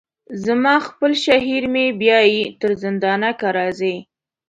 زما خپل شهپر مي بیايي تر زندانه که راځې